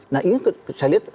nah ini saya lihat